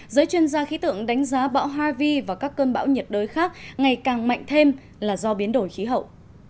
giới chuyên gia khí tượng đánh giá bão haivi và các cơn bão nhiệt đới khác ngày càng mạnh thêm là do biến đổi khí hậu